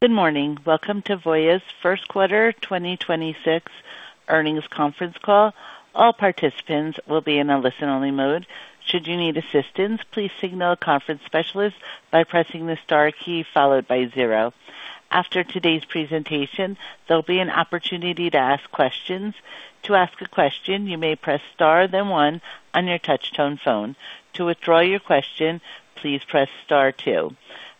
Good morning. Welcome to Voya's First Quarter 2026 Earnings Conference Call. All participants will be in a listen-only mode. Should you need assistance, please signal a conference specialist by pressing the star key followed by zero. After today's presentation, there'll be an opportunity to ask questions. To ask a question, you may press star then one on your touchtone phone. To withdraw your question, please press star two.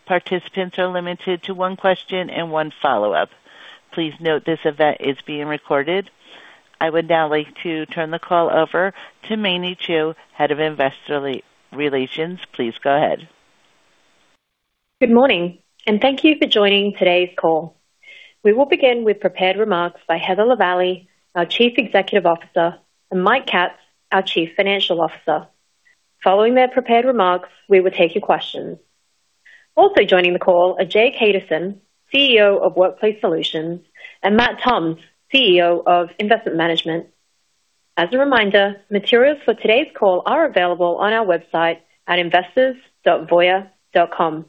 Participants are limited to one question and one follow-up. Please note this event is being recorded. I would now like to turn the call over to Mei Ni Chu, Head of Investor Relations. Please go ahead. Good morning. Thank you for joining today's call. We will begin with prepared remarks by Heather Lavallee, our Chief Executive Officer, and Mike Katz, our Chief Financial Officer. Following their prepared remarks, we will take your questions. Also joining the call are Jay Kaduson, CEO of Workplace Solutions, and Matt Toms, CEO of Investment Management. As a reminder, materials for today's call are available on our website at investors.voya.com.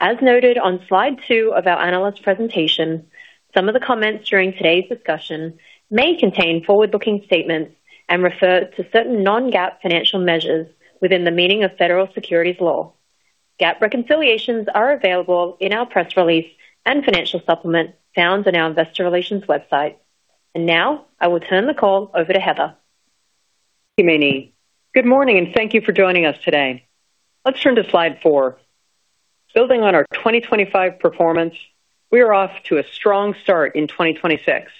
As noted on slide two of our analyst presentation, some of the comments during today's discussion may contain forward-looking statements and refer to certain non-GAAP financial measures within the meaning of Federal Securities law. GAAP reconciliations are available in our press release and financial supplement found on our investor relations website. Now I will turn the call over to Heather. Thank you, Mei Ni. Good morning, and thank you for joining us today. Let's turn to slide four. Building on our 2025 performance, we are off to a strong start in 2026.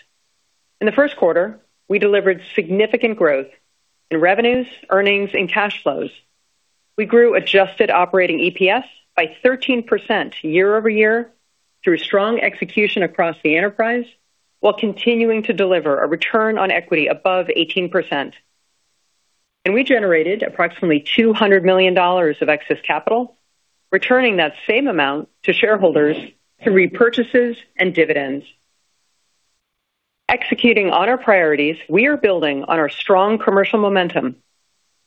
In the first quarter, we delivered significant growth in revenues, earnings, and cash flows. We grew adjusted operating EPS by 13% year-over-year through strong execution across the enterprise while continuing to deliver a return on equity above 18%. We generated approximately $200 million of excess capital, returning that same amount to shareholders through repurchases and dividends. Executing on our priorities, we are building on our strong commercial momentum,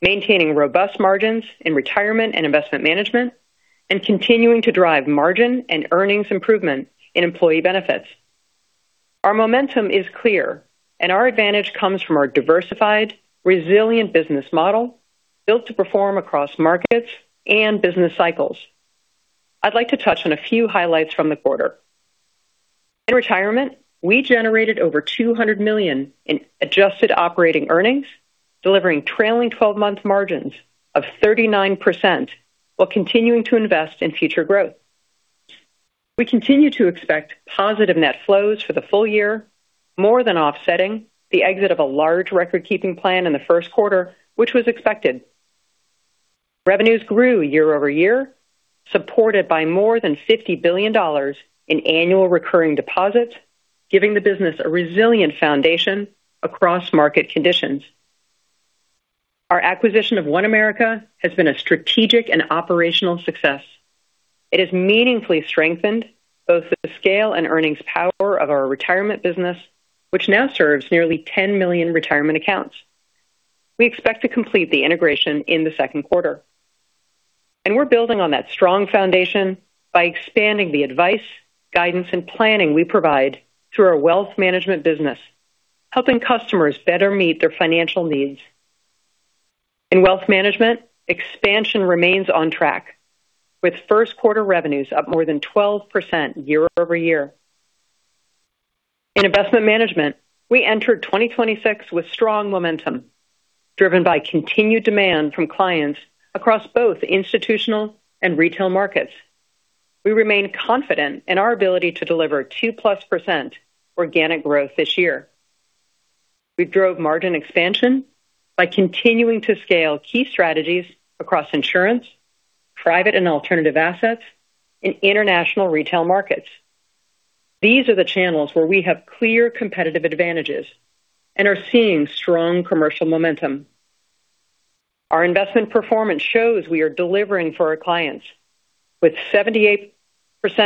maintaining robust margins in Retirement and Investment Management, and continuing to drive margin and earnings improvement in Employee Benefits. Our momentum is clear, and our advantage comes from our diversified, resilient business model built to perform across markets and business cycles. I'd like to touch on a few highlights from the quarter. In Retirement, we generated over $200 million in adjusted operating earnings, delivering trailing 12-month margins of 39% while continuing to invest in future growth. We continue to expect positive net flows for the full year, more than offsetting the exit of a large record-keeping plan in the first quarter, which was expected. Revenues grew year-over-year, supported by more than $50 billion in annual recurring deposits, giving the business a resilient foundation across market conditions. Our acquisition of OneAmerica has been a strategic and operational success. It has meaningfully strengthened both the scale and earnings power of our Retirement business, which now serves nearly 10 million Retirement accounts. We expect to complete the integration in the second quarter. We're building on that strong foundation by expanding the advice, guidance, and planning we provide through our Wealth Management business, helping customers better meet their financial needs. In Wealth Management, expansion remains on track, with first quarter revenues up more than 12% year-over-year. In Investment Management, we entered 2026 with strong momentum, driven by continued demand from clients across both institutional and retail markets. We remain confident in our ability to deliver 2%+ organic growth this year. We drove margin expansion by continuing to scale key strategies across insurance, private and alternative assets, and international retail markets. These are the channels where we have clear competitive advantages and are seeing strong commercial momentum. Our investment performance shows we are delivering for our clients, with 78%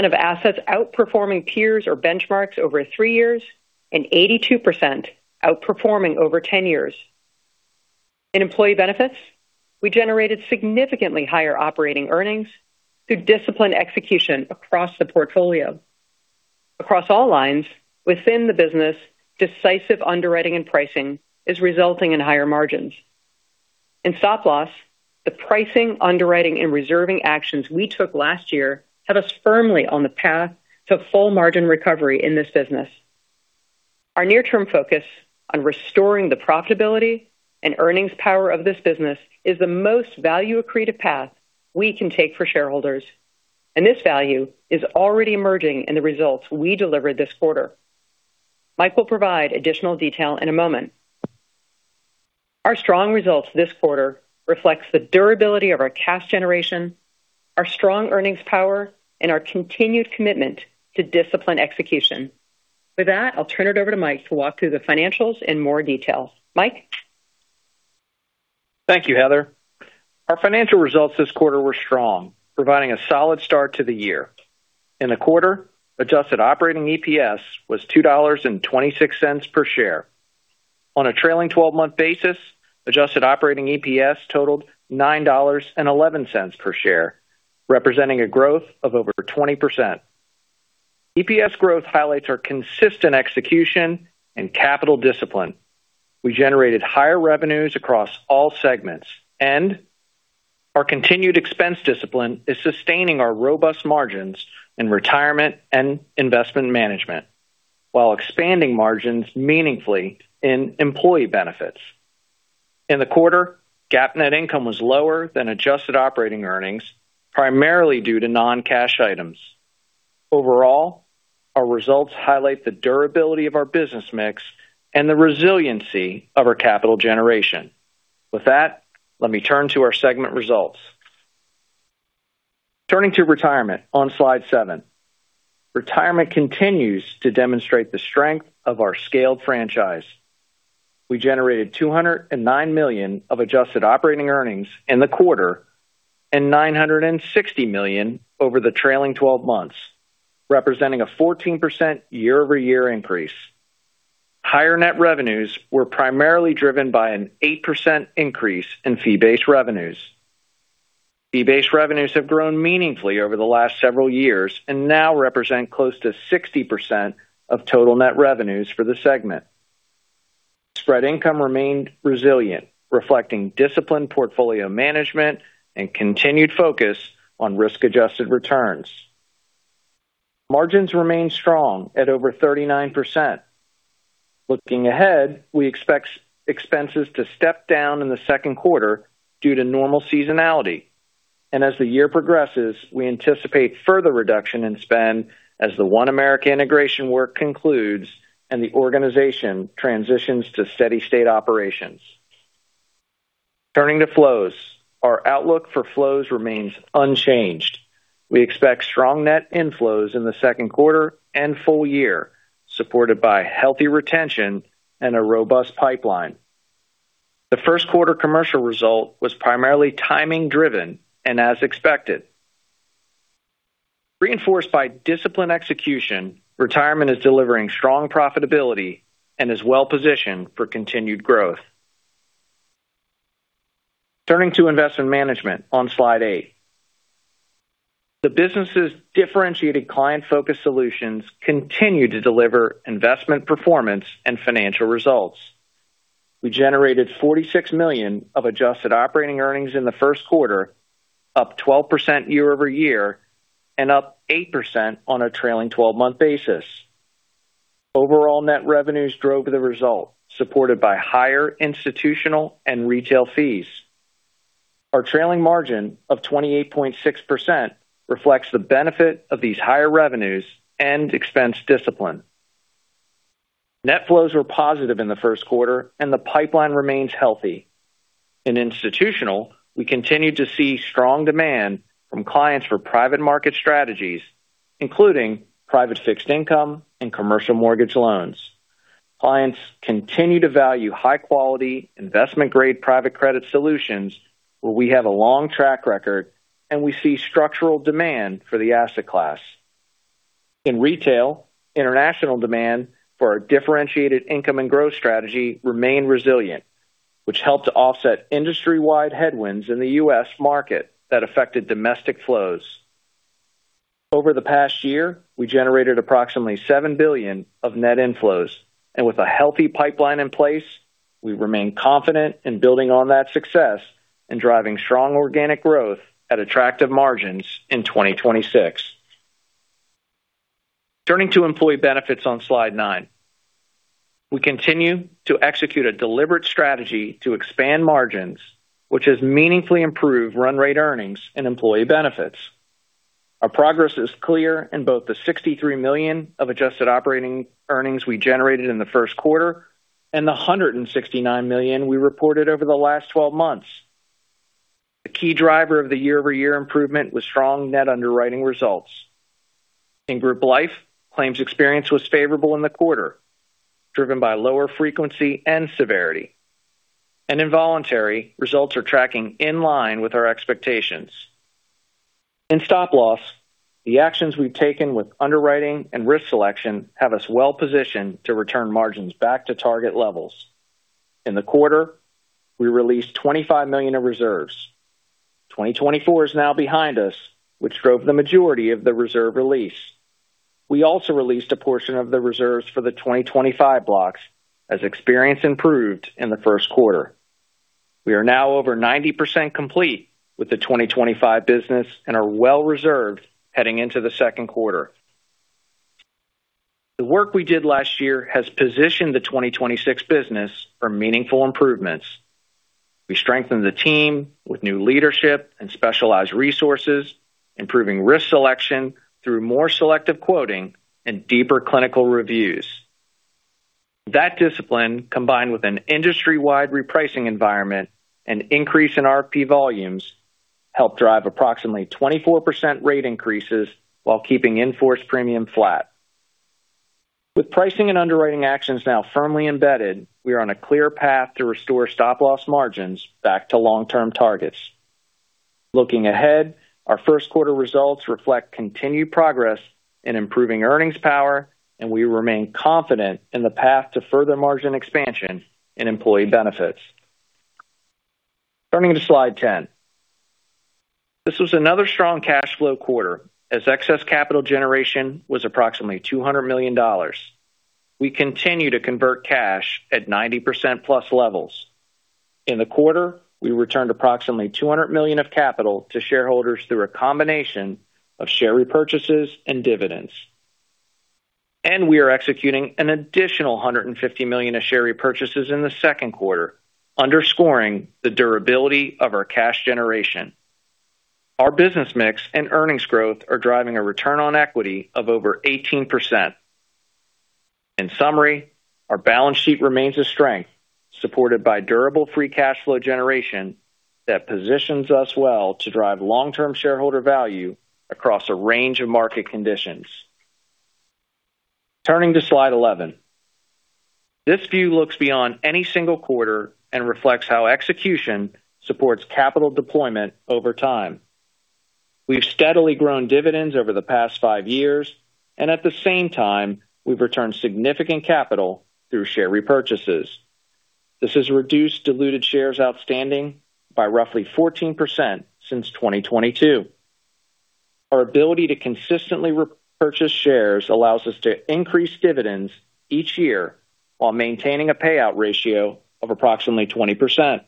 of assets outperforming peers or benchmarks over 3 years and 82% outperforming over 10 years. In Employee Benefits, we generated significantly higher operating earnings through disciplined execution across the portfolio. Across all lines within the business, decisive underwriting and pricing is resulting in higher margins. In Stop Loss, the pricing, underwriting, and reserving actions we took last year have us firmly on the path to full margin recovery in this business. Our near-term focus on restoring the profitability and earnings power of this business is the most value-accretive path we can take for shareholders, and this value is already emerging in the results we delivered this quarter. Mike will provide additional detail in a moment. Our strong results this quarter reflects the durability of our cash generation, our strong earnings power, and our continued commitment to disciplined execution. With that, I'll turn it over to Mike to walk through the financials in more detail. Mike? Thank you, Heather. Our financial results this quarter were strong, providing a solid start to the year. In the quarter, adjusted operating EPS was $2.26 per share. On a trailing 12-month basis, adjusted operating EPS totaled $9.11 per share, representing a growth of over 20%. EPS growth highlights our consistent execution and capital discipline. We generated higher revenues across all segments. Our continued expense discipline is sustaining our robust margins in Retirement and Investment Management, while expanding margins meaningfully in Employee Benefits. In the quarter, GAAP net income was lower than adjusted operating earnings, primarily due to non-cash items. Overall, our results highlight the durability of our business mix and the resiliency of our capital generation. With that, let me turn to our segment results. Turning to Retirement on slide seven. Retirement continues to demonstrate the strength of our scaled franchise. We generated $209 million of adjusted operating earnings in the quarter and $960 million over the trailing 12 months, representing a 14% year-over-year increase. Higher net revenues were primarily driven by an 8% increase in fee-based revenues. Fee-based revenues have grown meaningfully over the last several years and now represent close to 60% of total net revenues for the segment. Spread income remained resilient, reflecting disciplined portfolio management and continued focus on risk-adjusted returns. Margins remain strong at over 39%. Looking ahead, we expect expenses to step down in the second quarter due to normal seasonality. As the year progresses, we anticipate further reduction in spend as the OneAmerica integration work concludes and the organization transitions to steady-state operations. Turning to flows. Our outlook for flows remains unchanged. We expect strong net inflows in the second quarter and full year, supported by healthy retention and a robust pipeline. The first quarter commercial result was primarily timing driven and as expected. Reinforced by disciplined execution, Retirement is delivering strong profitability and is well-positioned for continued growth. Turning to Investment Management on slide eight. The business' differentiated client-focused solutions continue to deliver investment performance and financial results. We generated $46 million of adjusted operating earnings in the first quarter, up 12% year-over-year and up 8% on a trailing 12-month basis. Overall net revenues drove the result, supported by higher institutional and retail fees. Our trailing margin of 28.6% reflects the benefit of these higher revenues and expense discipline. Net flows were positive in the first quarter and the pipeline remains healthy. In Institutional, we continue to see strong demand from clients for private market strategies, including private fixed income and commercial mortgage loans. Clients continue to value high-quality investment-grade private credit solutions, where we have a long track record and we see structural demand for the asset class. In retail, international demand for our differentiated income and growth strategy remain resilient, which helped to offset industry-wide headwinds in the U.S. market that affected domestic flows. Over the past year, we generated approximately $7 billion of net inflows. With a healthy pipeline in place, we remain confident in building on that success and driving strong organic growth at attractive margins in 2026. Turning to Employee Benefits on slide nine. We continue to execute a deliberate strategy to expand margins, which has meaningfully improved run rate earnings in Employee Benefits. Our progress is clear in both the $63 million of adjusted operating earnings we generated in the first quarter and the $169 million we reported over the last 12 months. The key driver of the year-over-year improvement was strong net underwriting results. In Group Life, claims experience was favorable in the quarter, driven by lower frequency and severity. In voluntary, results are tracking in line with our expectations. In Stop Loss, the actions we've taken with underwriting and risk selection have us well-positioned to return margins back to target levels. In the quarter, we released $25 million of reserves. 2024 is now behind us, which drove the majority of the reserve release. We also released a portion of the reserves for the 2025 blocks as experience improved in the first quarter. We are now over 90% complete with the 2025 business and are well reserved heading into the second quarter. The work we did last year has positioned the 2026 business for meaningful improvements. We strengthened the team with new leadership and specialized resources, improving risk selection through more selective quoting and deeper clinical reviews. That discipline, combined with an industry-wide repricing environment and increase in RFP volumes, helped drive approximately 24% rate increases while keeping in-force premium flat. With pricing and underwriting actions now firmly embedded, we are on a clear path to restore Stop Loss margins back to long-term targets. Looking ahead, our first quarter results reflect continued progress in improving earnings power, and we remain confident in the path to further margin expansion in Employee Benefits. Turning to slide 10. This was another strong cash flow quarter as excess capital generation was approximately $200 million. We continue to convert cash at 90%+ levels. In the quarter, we returned approximately $200 million of capital to shareholders through a combination of share repurchases and dividends. We are executing an additional $150 million of share repurchases in the second quarter, underscoring the durability of our cash generation. Our business mix and earnings growth are driving a return on equity of over 18%. In summary, our balance sheet remains a strength supported by durable free cash flow generation that positions us well to drive long-term shareholder value across a range of market conditions. Turning to slide 11. This view looks beyond any single quarter and reflects how execution supports capital deployment over time. We've steadily grown dividends over the past 5 years, and at the same time, we've returned significant capital through share repurchases. This has reduced diluted shares outstanding by roughly 14% since 2022. Our ability to consistently repurchase shares allows us to increase dividends each year while maintaining a payout ratio of approximately 20%.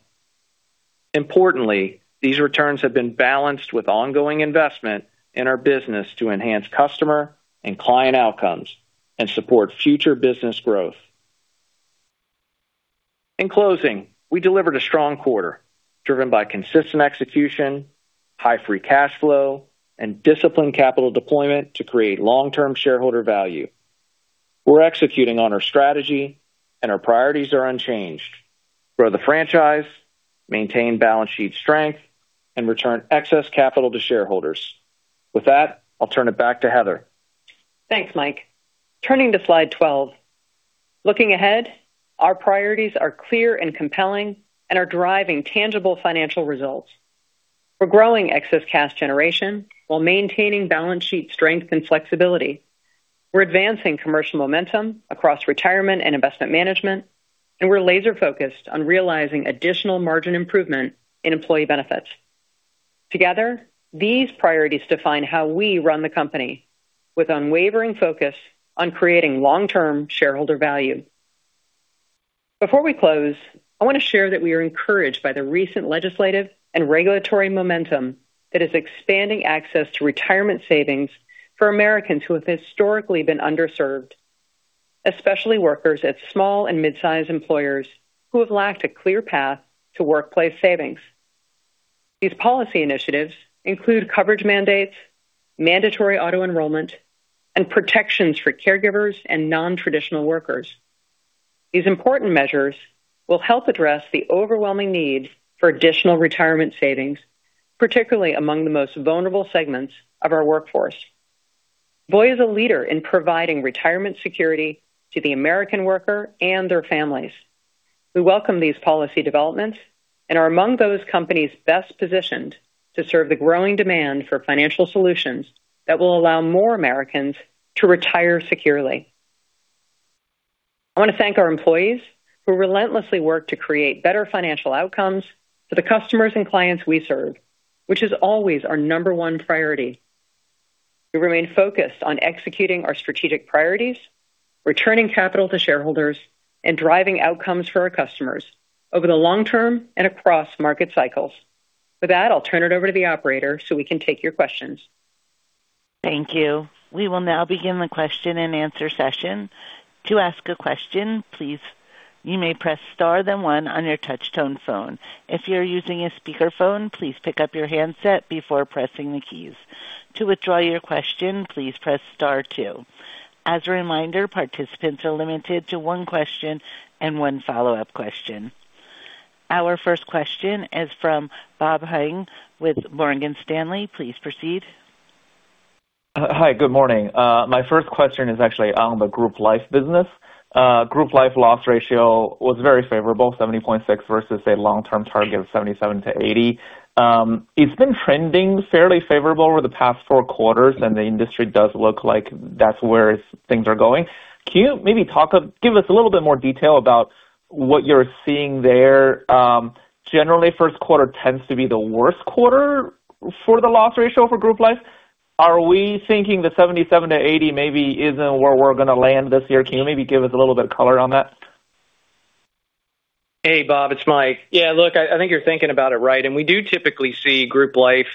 Importantly, these returns have been balanced with ongoing investment in our business to enhance customer and client outcomes and support future business growth. In closing, we delivered a strong quarter driven by consistent execution, high free cash flow, and disciplined capital deployment to create long-term shareholder value. We're executing on our strategy and our priorities are unchanged. Grow the franchise, maintain balance sheet strength, and return excess capital to shareholders. With that, I'll turn it back to Heather. Thanks, Mike. Turning to slide 12. Looking ahead, our priorities are clear and compelling and are driving tangible financial results. We're growing excess cash generation while maintaining balance sheet strength and flexibility. We're advancing commercial momentum across Retirement and Investment Management, and we're laser-focused on realizing additional margin improvement in Employee Benefits. Together, these priorities define how we run the company with unwavering focus on creating long-term shareholder value. Before we close, I want to share that we are encouraged by the recent legislative and regulatory momentum that is expanding access to retirement savings for Americans who have historically been underserved, especially workers at small and mid-sized employers who have lacked a clear path to workplace savings. These policy initiatives include coverage mandates, mandatory auto-enrollment, and protections for caregivers and non-traditional workers. These important measures will help address the overwhelming need for additional retirement savings, particularly among the most vulnerable segments of our workforce. Voya is a leader in providing retirement security to the American worker and their families. We welcome these policy developments and are among those companies best positioned to serve the growing demand for financial solutions that will allow more Americans to retire securely. I want to thank our employees who relentlessly work to create better financial outcomes for the customers and clients we serve, which is always our number one priority. We remain focused on executing our strategic priorities, returning capital to shareholders, and driving outcomes for our customers over the long term and across market cycles. With that, I'll turn it over to the operator so we can take your questions. Thank you. We will now begin the question and answer session. To ask a question, please, you may press star then one on your touch-tone phone. If you're using a speakerphone, please pick up your handset before pressing the keys. To withdraw your question, please press star two. As a reminder, participants are limited to one question and one follow-up question. Our first question is from Bob Huang with Morgan Stanley. Please proceed. Hi, good morning. My first question is actually on the Group Life business. Group Life loss ratio was very favorable, 70.6% versus a long-term target of 77%-80%. It's been trending fairly favorable over the past 4 quarters, and the industry does look like that's where things are going. Can you maybe give us a little bit more detail about what you're seeing there? Generally, first quarter tends to be the worst quarter for the loss ratio for Group Life. Are we thinking the 77%-80% maybe isn't where we're gonna land this year? Can you maybe give us a little bit of color on that? Hey, Bob, it's Mike. Yeah, look, I think you're thinking about it right. We do typically see Group Life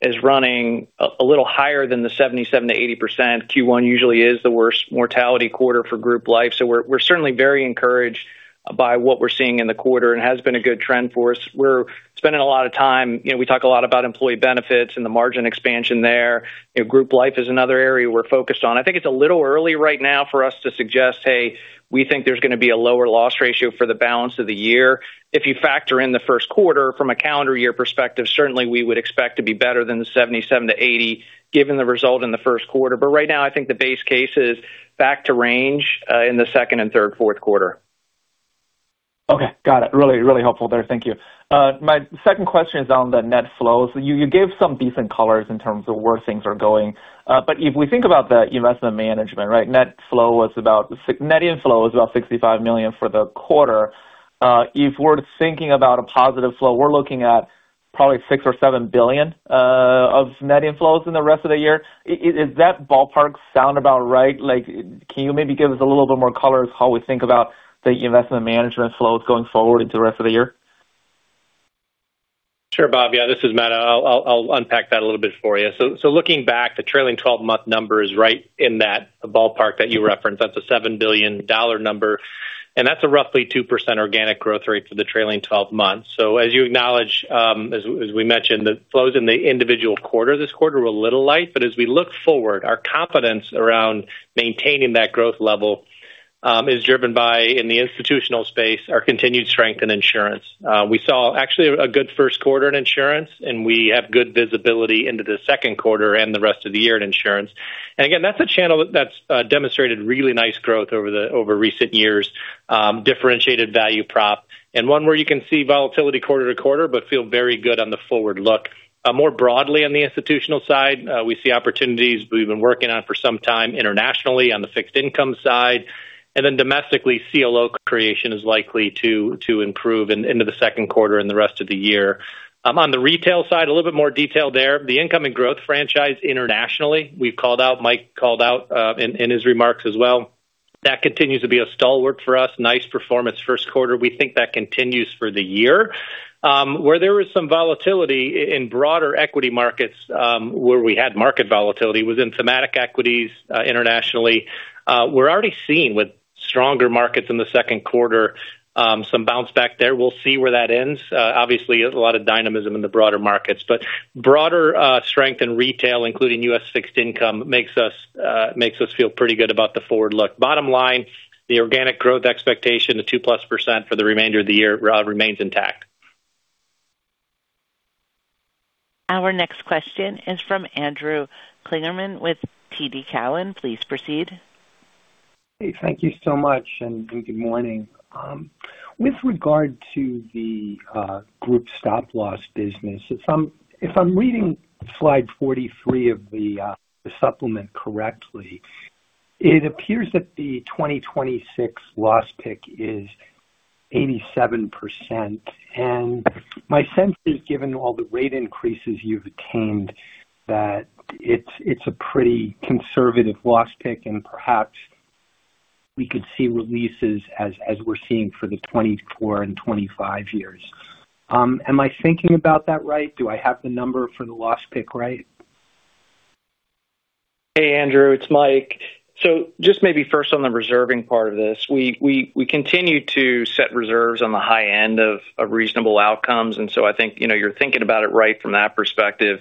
as running a little higher than the 77%-80%. Q1 usually is the worst mortality quarter for Group Life. We're certainly very encouraged by what we're seeing in the quarter and has been a good trend for us. We're spending a lot of time You know, we talk a lot about Employee Benefits and the margin expansion there. You know, Group Life is another area we're focused on. I think it's a little early right now for us to suggest, "Hey, we think there's gonna be a lower loss ratio for the balance of the year." If you factor in the first quarter from a calendar year perspective, certainly we would expect to be better than the 77%-80%, given the result in the first quarter. Right now, I think the base case is back to range in the second and third, fourth quarter. Okay. Got it. Really helpful there. Thank you. My second question is on the net flows. You gave some decent colors in terms of where things are going. If we think about the Investment Management, right? Net inflow is about $65 million for the quarter. If we're thinking about a positive flow, we're looking at probably $6 billion or $7 billion of net inflows in the rest of the year. Is that ballpark sound about right? Like, can you maybe give us a little bit more color of how we think about the Investment Management flows going forward into the rest of the year? Sure, Bob. Yeah, this is Matt. I'll unpack that a little bit for you. Looking back, the trailing 12-month number is right in that ballpark that you referenced. That's a $7 billion number, that's a roughly 2% organic growth rate for the trailing 12 months. As you acknowledge, as we mentioned, the flows in the individual quarter this quarter were a little light. As we look forward, our confidence around maintaining that growth level is driven by, in the institutional space, our continued strength in insurance. We saw actually a good first quarter in insurance, we have good visibility into the second quarter and the rest of the year in insurance. Again, that's a channel that's demonstrated really nice growth over recent years, differentiated value prop. One where you can see volatility quarter to quarter but feel very good on the forward look. More broadly on the institutional side, we see opportunities we've been working on for some time internationally on the fixed income side. Domestically, CLO creation is likely to improve into the second quarter and the rest of the year. On the retail side, a little bit more detail there. The income and growth franchise internationally, we've called out, Mike called out in his remarks as well. That continues to be a stalwart for us. Nice performance first quarter. We think that continues for the year. Where there was some volatility in broader equity markets, where we had market volatility was in thematic equities internationally. We're already seeing with stronger markets in the second quarter, some bounce back there. We'll see where that ends. Obviously a lot of dynamism in the broader markets. Broader strength in retail, including U.S. fixed income, makes us feel pretty good about the forward look. Bottom line, the organic growth expectation of 2%+ for the remainder of the year remains intact. Our next question is from Andrew Kligerman with TD Cowen. Please proceed. Hey, thank you so much, and good morning. With regard to the group Stop Loss business, if I'm reading slide 43 of the supplement correctly, it appears that the 2026 loss pick is 87%. My sense is, given all the rate increases you've attained, that it's a pretty conservative loss pick, and perhaps we could see releases as we're seeing for the 2024 and 2025 years. Am I thinking about that right? Do I have the number for the loss pick right? Hey, Andrew, it's Mike. Just maybe first on the reserving part of this. We continue to set reserves on the high end of reasonable outcomes, I think, you know, you're thinking about it right from that perspective.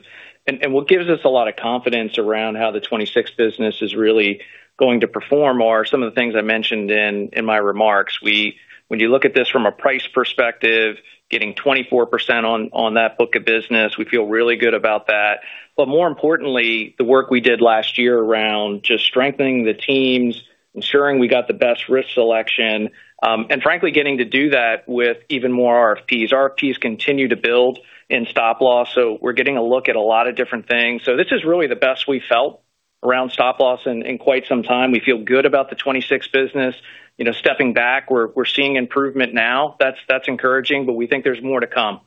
What gives us a lot of confidence around how the 2026 business is really going to perform are some of the things I mentioned in my remarks. When you look at this from a price perspective, getting 24% on that book of business, we feel really good about that. More importantly, the work we did last year around just strengthening the teams, ensuring we got the best risk selection, and frankly, getting to do that with even more RFPs. RFPs continue to build in Stop Loss, we're getting a look at a lot of different things. This is really the best we felt around Stop Loss in quite some time. We feel good about the 2026 business. You know, stepping back, we're seeing improvement now. That's encouraging, but we think there's more to come.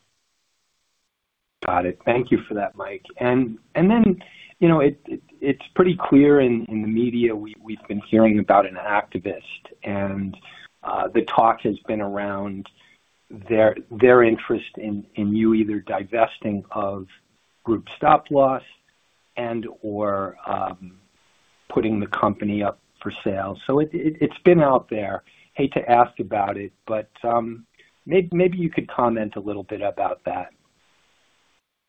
Got it. Thank you for that, Mike. You know, it's pretty clear in the media we've been hearing about an activist. The talk has been around their interest in you either divesting of group Stop Loss and/or putting the company up for sale. It's been out there. Hate to ask about it, maybe you could comment a little bit about that.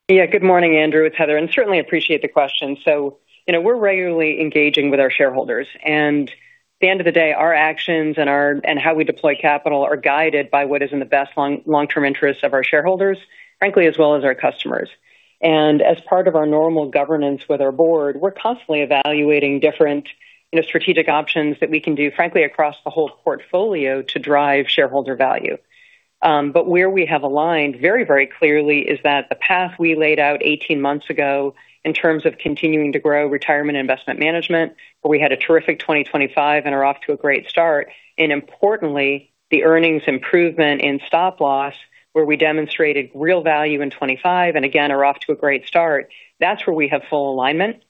Yeah, good morning, Andrew. It's Heather, certainly appreciate the question. You know, we're regularly engaging with our shareholders. At the end of the day, our actions and how we deploy capital are guided by what is in the best long-term interests of our shareholders, frankly, as well as our customers. As part of our normal governance with our board, we're constantly evaluating different, you know, strategic options that we can do, frankly, across the whole portfolio to drive shareholder value. Where we have aligned very clearly is that the path we laid out 18 months ago in terms of continuing to grow Retirement Investment Management, where we had a terrific 2025 and are off to a great start. Importantly, the earnings improvement in Stop Loss, where we demonstrated real value in 2025, and again are off to a great start. That's where we have full alignment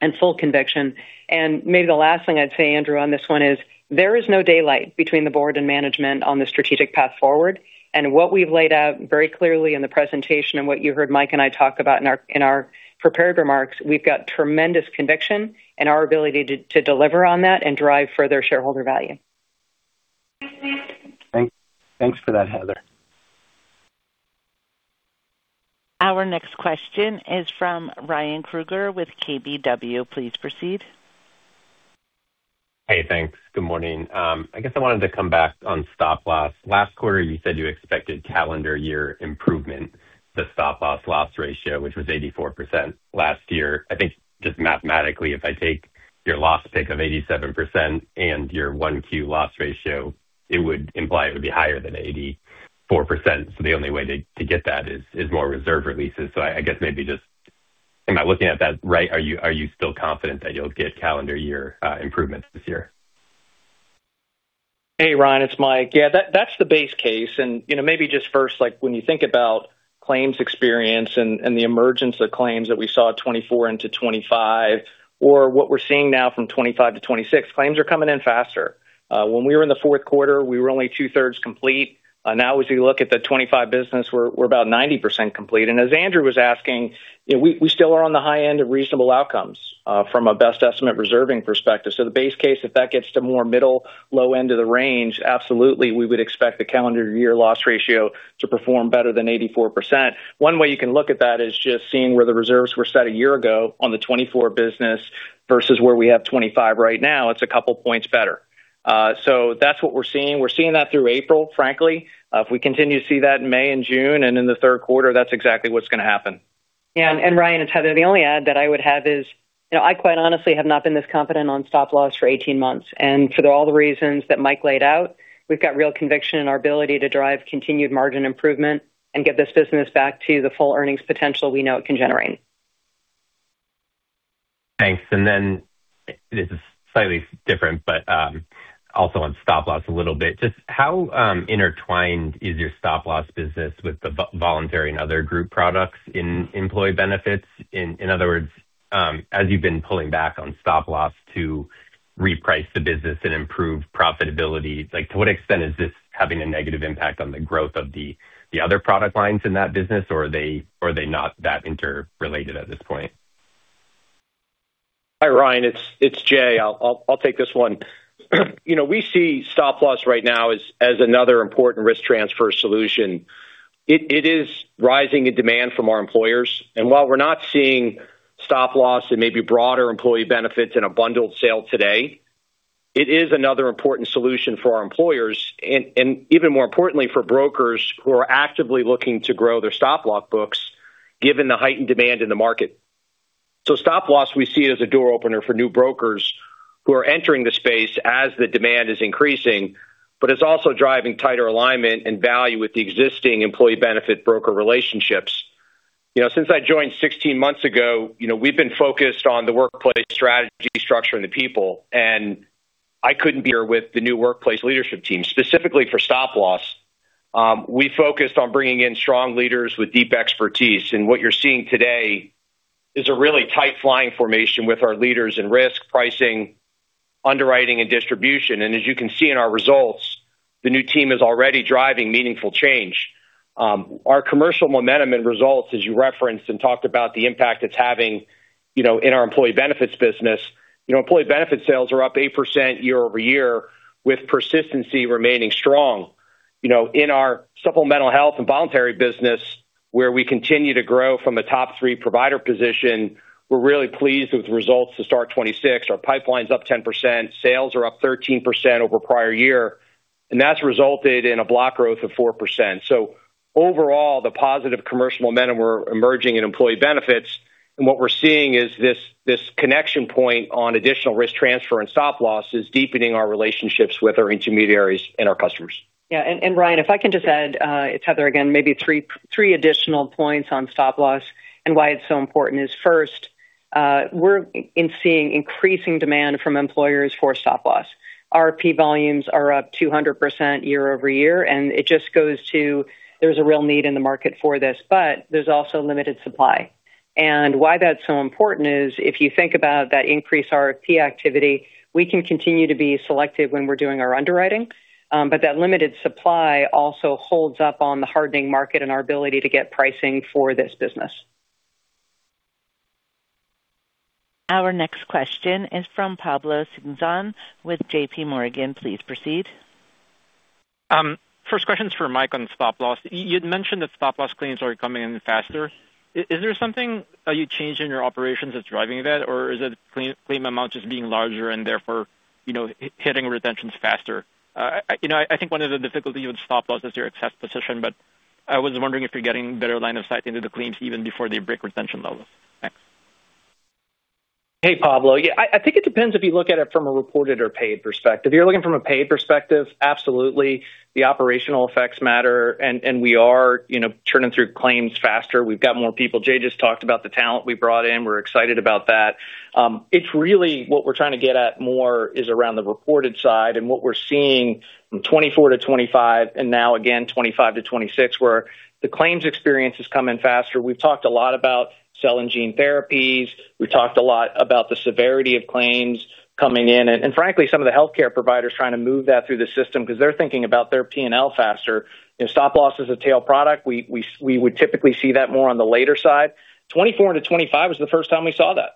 and full conviction. Maybe the last thing I'd say, Andrew, on this one is there is no daylight between the board and management on the strategic path forward. What we've laid out very clearly in the presentation and what you heard Mike and I talk about in our, in our prepared remarks, we've got tremendous conviction in our ability to deliver on that and drive further shareholder value. Thanks for that, Heather. Our next question is from Ryan Krueger with KBW. Please proceed. Hey, thanks. Good morning. I guess I wanted to come back on Stop Loss. Last quarter, you said you expected calendar year improvement, the Stop Loss loss ratio, which was 84% last year. I think just mathematically, if I take your loss pick of 87% and your 1Q loss ratio, it would imply it would be higher than 84%. The only way to get that is more reserve releases. I guess maybe just am I looking at that right? Are you still confident that you'll get calendar year improvements this year? Hey, Ryan, it's Mike. Yeah, that's the base case. You know, maybe just first, like when you think about claims experience and the emergence of claims that we saw 2024 into 2025 or what we're seeing now from 2025 to 2026, claims are coming in faster. When we were in the fourth quarter, we were only 2/3 complete. Now as we look at the 2025 business, we're about 90% complete. As Andrew was asking, you know, we still are on the high end of reasonable outcomes from a best estimate reserving perspective. The base case, if that gets to more middle, low end of the range, absolutely, we would expect the calendar year loss ratio to perform better than 84%. One way you can look at that is just seeing where the reserves were set a year ago on the 2024 business versus where we have 2025 right now. It's a couple points better. That's what we're seeing. We're seeing that through April, frankly. If we continue to see that in May and June and in the third quarter, that's exactly what's going to happen. Yeah, Ryan, it's Heather. The only add that I would have is, you know, I quite honestly have not been this confident on Stop Loss for 18 months. For all the reasons that Mike laid out, we've got real conviction in our ability to drive continued margin improvement and get this business back to the full earnings potential we know it can generate. Thanks. This is slightly different, but also on Stop Loss a little bit. Just how intertwined is your Stop Loss business with the Voluntary Benefits and other group products in Employee Benefits? In other words, as you've been pulling back on Stop Loss to reprice the business and improve profitability, like to what extent is this having a negative impact on the growth of the other product lines in that business, or are they not that interrelated at this point? Hi, Ryan, it's Jay. I'll take this one. You know, we see Stop Loss right now as another important risk transfer solution. It is rising in demand from our employers. While we're not seeing Stop Loss and maybe broader Employee Benefits in a bundled sale today, it is another important solution for our employers and even more importantly, for brokers who are actively looking to grow their Stop Loss books given the heightened demand in the market. Stop Loss, we see it as a door opener for new brokers who are entering the space as the demand is increasing, but it's also driving tighter alignment and value with the existing Employee Benefit broker relationships. You know, since I joined 16 months ago, you know, we've been focused on the Workplace Solutions strategy, structure, and the people. I couldn't be here with the new Workplace Solutions leadership team. Specifically for Stop Loss, we focused on bringing in strong leaders with deep expertise. What you're seeing today is a really tight flying formation with our leaders in risk, pricing, underwriting, and distribution. As you can see in our results, the new team is already driving meaningful change. Our commercial momentum and results, as you referenced and talked about the impact it's having, you know, in our Employee Benefits business. You know, Employee Benefits sales are up 8% year-over-year with persistency remaining strong. You know, in our supplemental health and voluntary business, where we continue to grow from a top three provider position, we're really pleased with the results to start 2026. Our pipeline's up 10%, sales are up 13% over prior year, and that's resulted in a block growth of 4%. Overall, the positive commercial momentum are emerging in Employee Benefits, and what we're seeing is this connection point on additional risk transfer and Stop Loss is deepening our relationships with our intermediaries and our customers. Ryan, if I can just add, it's Heather again, maybe 3 additional points on Stop Loss and why it's so important is first, we're in seeing increasing demand from employers for Stop Loss. RFP volumes are up 200% year-over-year, it just goes to there's a real need in the market for this, but there's also limited supply. Why that's so important is if you think about that increased RFP activity, we can continue to be selective when we're doing our underwriting. That limited supply also holds up on the hardening market and our ability to get pricing for this business. Our next question is from Pablo Singzon with JPMorgan. Please proceed. First question is for Mike on Stop Loss. You'd mentioned that Stop Loss claims are coming in faster. Is there something you changed in your operations that's driving that? Or is it claim amounts just being larger and therefore, hitting retentions faster? I think one of the difficulty with Stop Loss is your excess position, but I was wondering if you're getting better line of sight into the claims even before they break retention levels. Thanks. Hey, Pablo. I think it depends if you look at it from a reported or paid perspective. If you're looking from a paid perspective, absolutely. The operational effects matter, and we are, you know, churning through claims faster. We've got more people. Jay just talked about the talent we brought in. We're excited about that. It's really what we're trying to get at more is around the reported side and what we're seeing from 2024 to 2025 and now again, 2025 to 2026, where the claims experience is coming faster. We've talked a lot about cell and gene therapies. We've talked a lot about the severity of claims coming in and, frankly, some of the healthcare providers trying to move that through the system because they're thinking about their P&L faster. You know, Stop Loss is a tail product. We would typically see that more on the later side. 2024 into 2025 was the first time we saw that.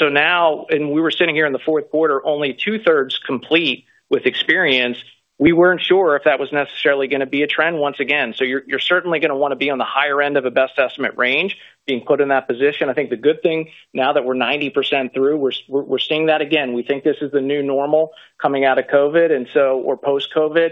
Now, we were sitting here in the fourth quarter, only 2/3 complete with experience, we weren't sure if that was necessarily going to be a trend once again. You're certainly going to want to be on the higher end of a best estimate range being put in that position. I think the good thing now that we're 90% through, we're seeing that again. We think this is the new normal coming out of COVID. We're post-COVID.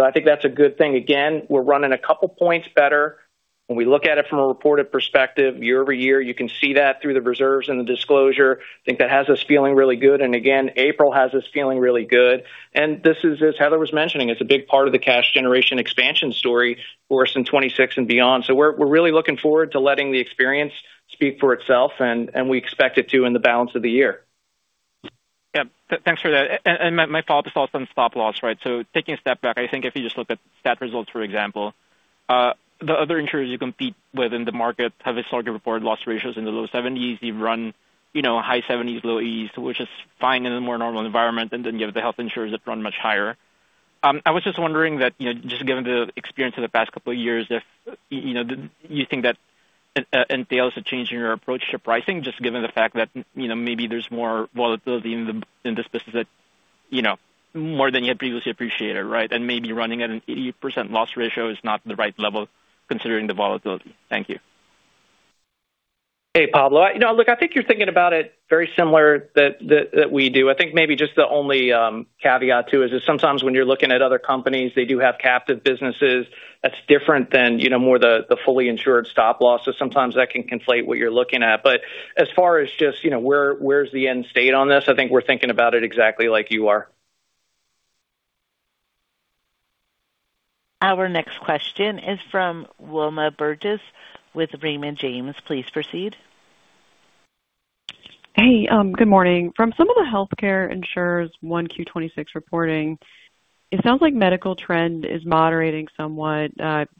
I think that's a good thing. Again, we're running a couple points better. When we look at it from a reported perspective year-over-year, you can see that through the reserves and the disclosure. I think that has us feeling really good. Again, April has us feeling really good. This is, as Heather was mentioning, it's a big part of the cash generation expansion story for us in 2026 and beyond. We're really looking forward to letting the experience speak for itself, and we expect it to in the balance of the year. Yeah. Thanks for that. My follow-up is also on Stop Loss, right? Taking a step back, I think if you just look at stat results, for example, the other insurers you compete with in the market have a slightly reported loss ratios in the low 70s. You've run, you know, high 70s, low 80s, which is fine in a more normal environment, you have the health insurers that run much higher. I was just wondering that, you know, just given the experience of the past couple of years, if, you know, do you think that entails a change in your approach to pricing, just given the fact that, you know, maybe there's more volatility in the, in the specific, you know, more than you had previously appreciated, right? Maybe running at an 80% loss ratio is not the right level considering the volatility. Thank you. Hey, Pablo. You know, look, I think you're thinking about it very similar that we do. I think maybe just the only caveat too is that sometimes when you're looking at other companies, they do have captive businesses that's different than, you know, more the fully insured Stop Loss. Sometimes that can conflate what you're looking at. As far as just, you know, where's the end state on this, I think we're thinking about it exactly like you are. Our next question is from Wilma Burdis with Raymond James. Please proceed. Hey, good morning. From some of the healthcare insurers 1Q 2026 reporting, it sounds like medical trend is moderating somewhat,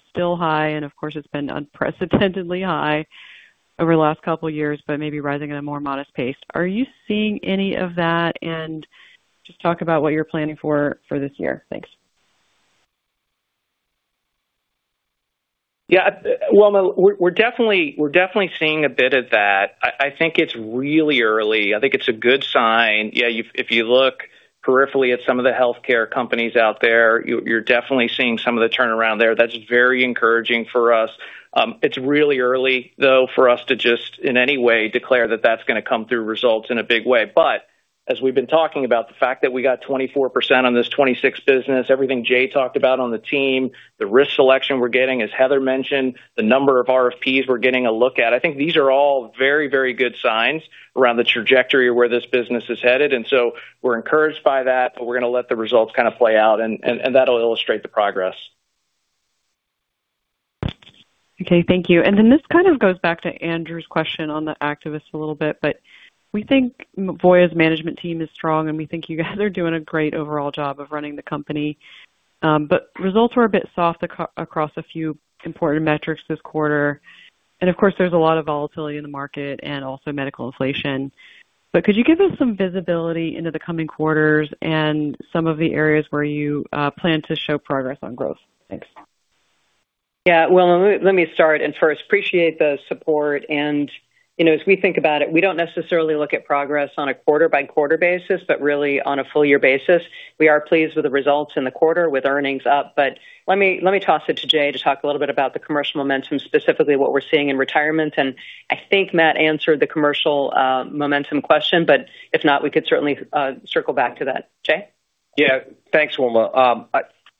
still high, and of course, it's been unprecedentedly high over the last couple of years, but maybe rising at a more modest pace. Are you seeing any of that? Just talk about what you're planning for this year. Thanks. Yeah. Wilma, we're definitely seeing a bit of that. I think it's really early. I think it's a good sign. Yeah, if you look peripherally at some of the healthcare companies out there, you're definitely seeing some of the turnaround there. That's very encouraging for us. It's really early, though, for us to just in any way declare that that's going to come through results in a big way. As we've been talking about the fact that we got 24% on this 2026 business, everything Jay talked about on the team, the risk selection we're getting, as Heather mentioned, the number of RFPs we're getting a look at. I think these are all very, very good signs around the trajectory of where this business is headed, and so we're encouraged by that, but we're going to let the results kind of play out and that'll illustrate the progress. Okay. Thank you. This kind of goes back to Andrew's question on the activists a little bit, but we think Voya's management team is strong, and we think you guys are doing a great overall job of running the company. Results were a bit soft across a few important metrics this quarter. Of course, there's a lot of volatility in the market and also medical inflation. Could you give us some visibility into the coming quarters and some of the areas where you plan to show progress on growth? Thanks. Yeah. Wilma, let me start. First, appreciate the support. You know, as we think about it, we don't necessarily look at progress on a quarter-by-quarter basis, but really on a full year basis. We are pleased with the results in the quarter with earnings up. Let me toss it to Jay to talk a little bit about the commercial momentum, specifically what we're seeing in Retirement. I think Matt answered the commercial momentum question, but if not, we could certainly circle back to that. Jay? Thanks, Wilma.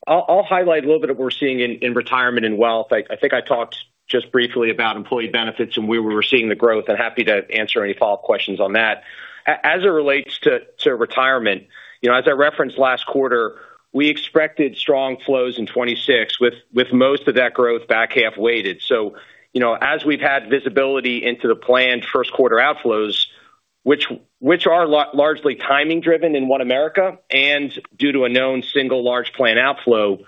I'll highlight a little bit of what we're seeing in Retirement and Wealth Management. I think I talked just briefly about Employee Benefits and where we were seeing the growth. I'm happy to answer any follow-up questions on that. As it relates to Retirement, you know, as I referenced last quarter, we expected strong flows in 2026 with most of that growth back half weighted. You know, as we've had visibility into the planned first quarter outflows, which are largely timing driven in OneAmerica and due to a known single large plan outflow,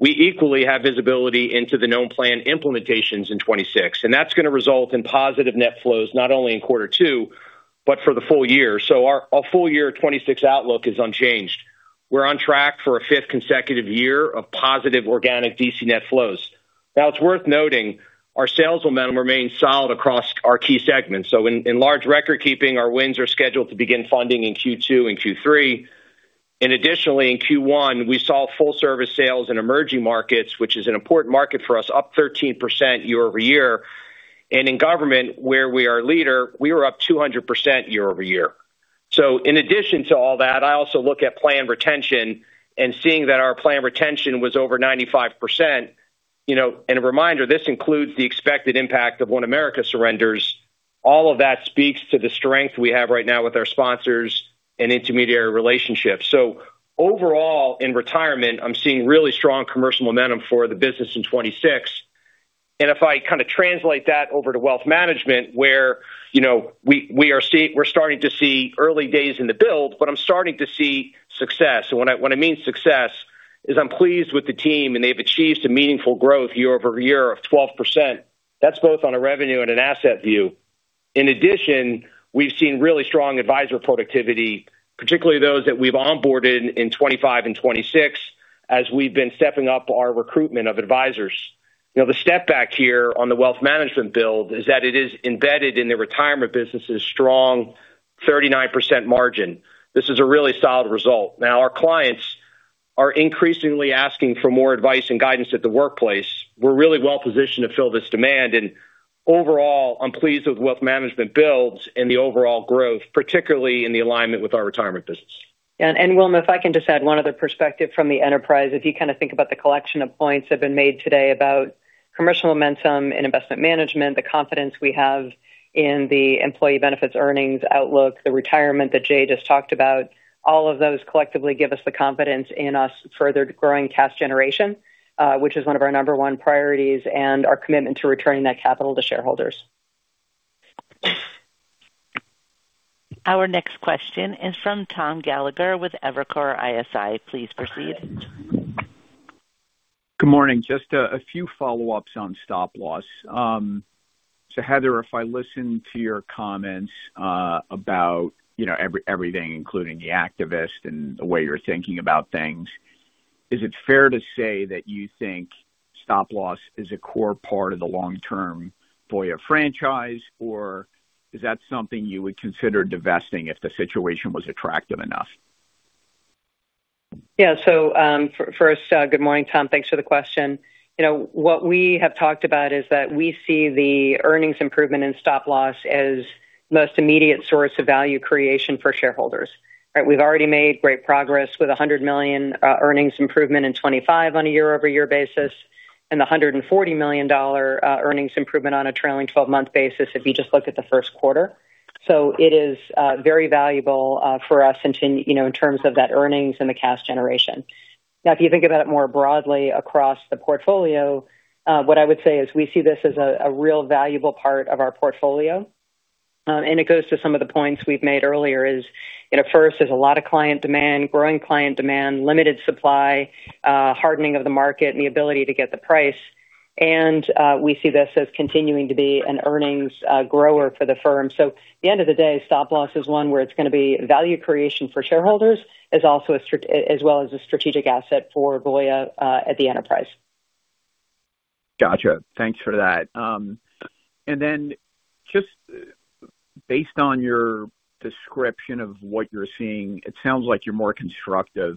we equally have visibility into the known plan implementations in 2026, that's going to result in positive net flows not only in quarter 2, but for the full year. Our full year 2026 outlook is unchanged. We're on track for a fifth consecutive year of positive organic DC net flows. It's worth noting our sales momentum remains solid across our key segments. In large recordkeeping, our wins are scheduled to begin funding in Q2 and Q3. Additionally, in Q1, we saw full service sales in emerging markets, which is an important market for us, up 13% year-over-year. In government, where we are leader, we were up 200% year-over-year. In addition to all that, I also look at plan retention and seeing that our plan retention was over 95%, you know, and a reminder, this includes the expected impact of OneAmerica surrenders. All of that speaks to the strength we have right now with our sponsors and intermediary relationships. Overall, in Retirement, I'm seeing really strong commercial momentum for the business in 2026. If I kind of translate that over to Wealth Management, where, you know, we're starting to see early days in the build, but I'm starting to see success. When I mean success, I'm pleased with the team, and they've achieved a meaningful growth year-over-year of 12%. That's both on a revenue and an asset view. In addition, we've seen really strong advisor productivity, particularly those that we've onboarded in 2025 and 2026 as we've been stepping up our recruitment of advisors. You know, the step back here on the Wealth Management build is that it is embedded in the Retirement business' strong 39% margin. This is a really solid result. Now, our clients are increasingly asking for more advice and guidance at the workplace. We're really well-positioned to fill this demand. Overall, I'm pleased with Wealth Management builds and the overall growth, particularly in the alignment with our Retirement business. Wilma, if I can just add one other perspective from the enterprise. If you kind of think about the collection of points that have been made today about commercial momentum and Investment Management, the confidence we have in the Employee Benefits earnings outlook, the Retirement that Jay just talked about, all of those collectively give us the confidence in us further growing cash generation, which is one of our number one priorities, and our commitment to returning that capital to shareholders. Our next question is from Tom Gallagher with Evercore ISI. Please proceed. Good morning. Just a few follow-ups on Stop Loss. Heather, if I listen to your comments, about, you know, everything, including the activist and the way you're thinking about things, is it fair to say that you think Stop Loss is a core part of the long-term Voya franchise, or is that something you would consider divesting if the situation was attractive enough? Good morning, Tom. Thanks for the question. You know, what we have talked about is that we see the earnings improvement in Stop Loss as most immediate source of value creation for shareholders, right? We've already made great progress with a $100 million earnings improvement in 2025 on a year-over-year basis, and a $140 million earnings improvement on a trailing 12-month basis if you just look at the first quarter. It is very valuable for us in [10], you know, in terms of that earnings and the cash generation. If you think about it more broadly across the portfolio, what I would say is we see this as a real valuable part of our portfolio. It goes to some of the points we've made earlier is, you know, first, there's a lot of client demand, growing client demand, limited supply, hardening of the market and the ability to get the price. We see this as continuing to be an earnings grower for the firm. At the end of the day, Stop Loss is one where it's gonna be value creation for shareholders, as also as well as a strategic asset for Voya at the enterprise. Gotcha. Thanks for that. Just based on your description of what you're seeing, it sounds like you're more constructive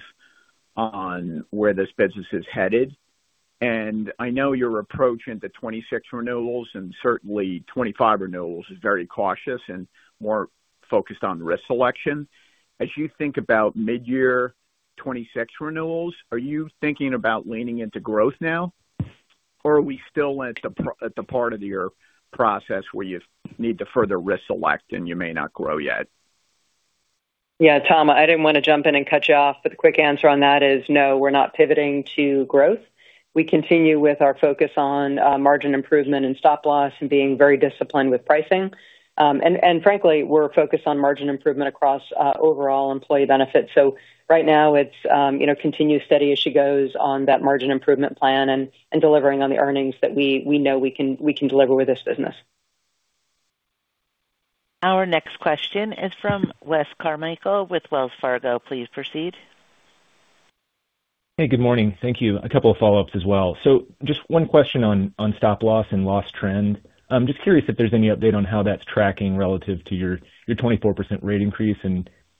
on where this business is headed, I know your approach into 2026 renewals and certainly 2025 renewals is very cautious and more focused on risk selection. As you think about mid-year 2026 renewals, are you thinking about leaning into growth now, or are we still at the part of your process where you need to further risk select and you may not grow yet? Yeah, Tom, I didn't want to jump in and cut you off, but the quick answer on that is no, we're not pivoting to growth. We continue with our focus on margin improvement and Stop Loss and being very disciplined with pricing. Frankly, we're focused on margin improvement across overall Employee Benefits. Right now it's, you know, continue steady as she goes on that margin improvement plan and delivering on the earnings that we know we can deliver with this business. Our next question is from Wes Carmichael with Wells Fargo. Please proceed. Good morning. Thank you. A couple of follow-ups as well. Just one question on Stop Loss and loss trend. I'm just curious if there's any update on how that's tracking relative to your 24% rate increase.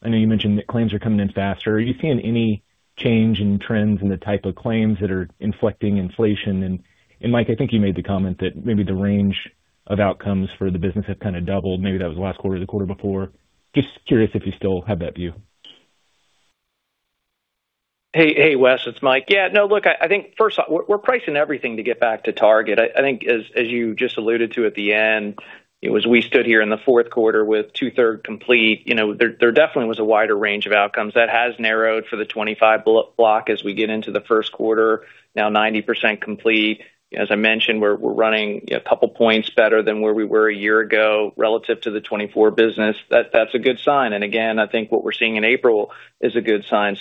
I know you mentioned that claims are coming in faster. Are you seeing any change in trends in the type of claims that are inflicting inflation? Mike, I think you made the comment that maybe the range of outcomes for the business have kind of doubled. Maybe that was the last quarter, the quarter before. Just curious if you still have that view. Hey, Wes, it's Mike. Yeah, no, look, I think first off, we're pricing everything to get back to target. I think as you just alluded to at the end, it was we stood here in the fourth quarter with two-third complete. You know, there definitely was a wider range of outcomes. That has narrowed for the 2025 block as we get into the first quarter, now 90% complete. As I mentioned, we're running a couple points better than where we were a year ago relative to the 2024 business. That's a good sign. Again, I think what we're seeing in April is a good sign.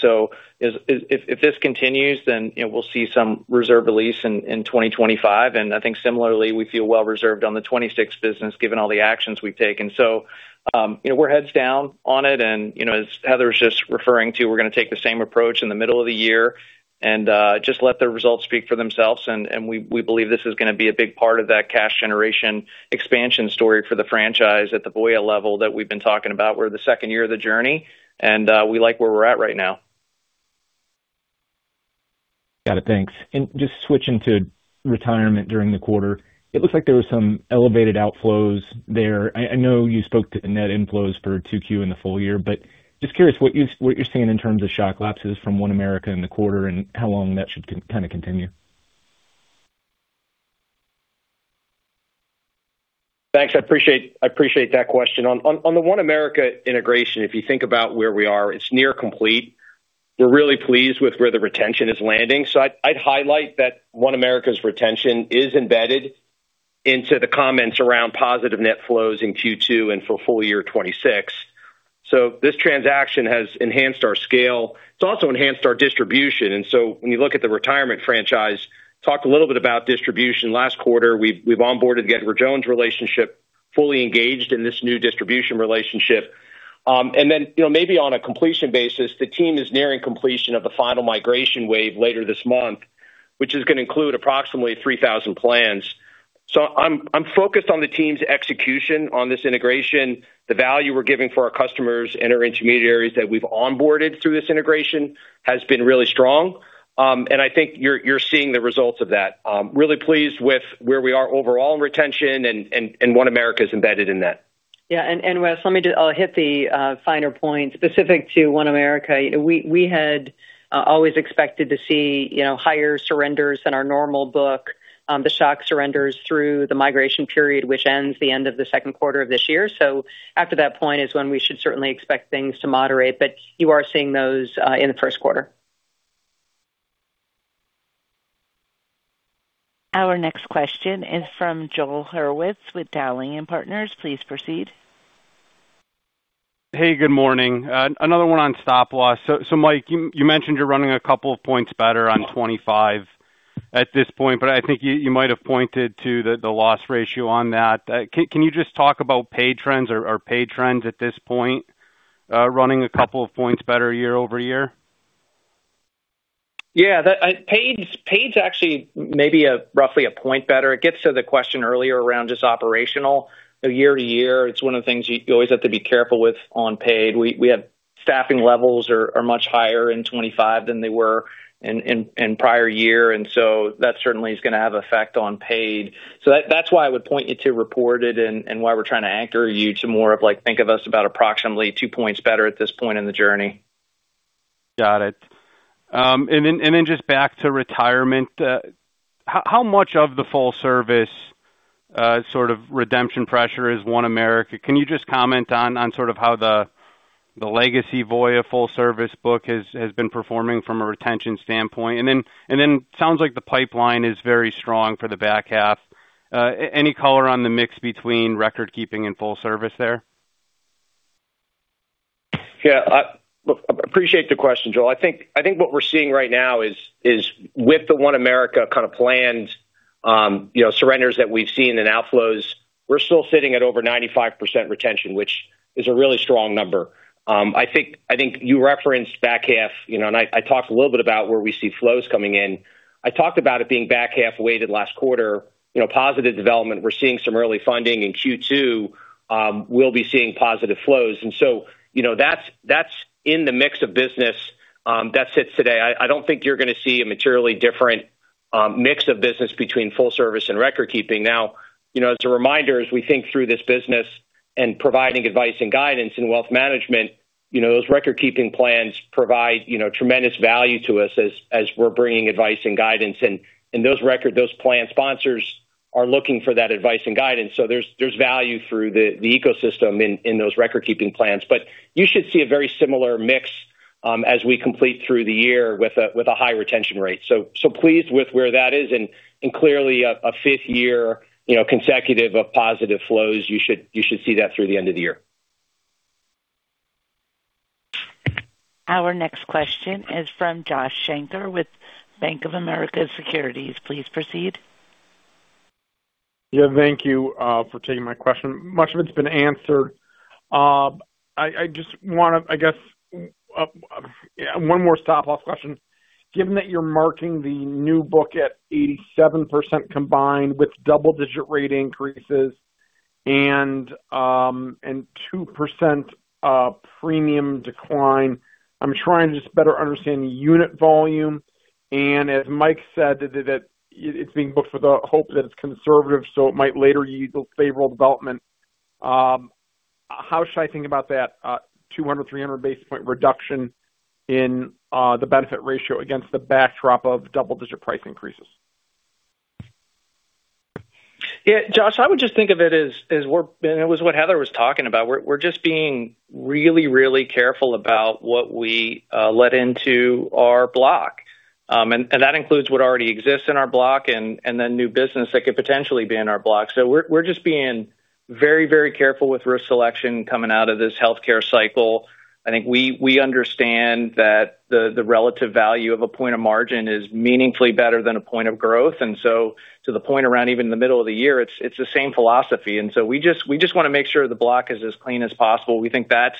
If this continues, you know, we'll see some reserve release in 2025. I think similarly, we feel well reserved on the 2026 business given all the actions we've taken. We're heads down on it and, you know, as Heather was just referring to, we're gonna take the same approach in the middle of the year and just let the results speak for themselves. We believe this is gonna be a big part of that cash generation expansion story for the franchise at the Voya level that we've been talking about. We're the second year of the journey, we like where we're at right now. Got it. Thanks. Just switching to Retirement during the quarter, it looks like there was some elevated outflows there. I know you spoke to net inflows for 2Q in the full year, but just curious what you, what you're seeing in terms of shock lapses from OneAmerica in the quarter and how long that should kind of continue. Thanks. I appreciate that question. On the OneAmerica integration, if you think about where we are, it's near complete. We're really pleased with where the retention is landing. I'd highlight that OneAmerica's retention is embedded into the comments around positive net flows in Q2 and for full year 2026. This transaction has enhanced our scale. It's also enhanced our distribution. When you look at the Retirement franchise, talked a little bit about distribution last quarter. We've onboarded the Edward Jones relationship, fully engaged in this new distribution relationship. Then, you know, maybe on a completion basis, the team is nearing completion of the final migration wave later this month, which is gonna include approximately 3,000 plans. I'm focused on the team's execution on this integration. The value we're giving for our customers and our intermediaries that we've onboarded through this integration has been really strong. I think you're seeing the results of that. Really pleased with where we are overall in retention and OneAmerica is embedded in that. Wes, let me just hit the finer points specific to OneAmerica. You know, we had always expected to see, you know, higher surrenders than our normal book, the shock surrenders through the migration period, which ends the end of the second quarter of this year. After that point is when we should certainly expect things to moderate, but you are seeing those in the first quarter. Our next question is from Joel Hurwitz with Dowling & Partners. Please proceed. Hey, good morning. Another one on Stop Loss. Mike, you mentioned you're running a couple of points better on 2025 at this point, but I think you might have pointed to the loss ratio on that. Can you just talk about paid trends or paid trends at this point, running a couple of points better year-over-year? Yeah. That paid's actually maybe roughly 1 point better. It gets to the question earlier around just operational year to year. It's one of the things you always have to be careful with on paid. We have staffing levels are much higher in 2025 than they were in prior year, that certainly is gonna have effect on paid. That's why I would point you to reported and why we're trying to anchor you to more of like think of us about approximately 2 points better at this point in the journey. Got it. And then just back to Retirement, how much of the full service sort of redemption pressure is OneAmerica? Can you just comment on sort of how the legacy Voya full service book has been performing from a retention standpoint? Then sounds like the pipeline is very strong for the back half. Any color on the mix between recordkeeping and full service there? Yeah. Appreciate the question, Joel. I think what we're seeing right now is with the OneAmerica kind of planned, you know, surrenders that we've seen in outflows, we're still sitting at over 95% retention, which is a really strong number. I think you referenced back half, you know, I talked a little bit about where we see flows coming in. I talked about it being back half-weighted last quarter, you know, positive development. We're seeing some early funding in Q2. We'll be seeing positive flows. You know, that's in the mix of business that sits today. I don't think you're gonna see a materially different mix of business between full service and recordkeeping. As a reminder, as we think through this business and providing advice and guidance in Wealth Management, you know, those recordkeeping plans provide, you know, tremendous value to us as we're bringing advice and guidance. Those plan sponsors are looking for that advice and guidance. There's value through the ecosystem in those recordkeeping plans. You should see a very similar mix as we complete through the year with a high retention rate. Pleased with where that is and clearly a fifth year, you know, consecutive of positive flows. You should see that through the end of the year. Our next question is from Josh Shanker with Bank of America Securities. Please proceed. Thank you for taking my question. Much of it's been answered. I just want, I guess, one more Stop Loss question. Given that you're marking the new book at 87% combined with double-digit rate increases and 2% premium decline, I'm trying to just better understand the unit volume. As Mike said, it's being booked with the hope that it's conservative, so it might later yield favorable development. How should I think about that 200-300 basis point reduction in the benefit ratio against the backdrop of double-digit price increases? Yeah. Josh, I would just think of it as what Heather was talking about. We're just being really, really careful about what we let into our block. That includes what already exists in our block and then new business that could potentially be in our block. We're just being very, very careful with risk selection coming out of this healthcare cycle. I think we understand that the relative value of a point of margin is meaningfully better than a point of growth. To the point around even the middle of the year, it's the same philosophy. We just wanna make sure the block is as clean as possible. We think that's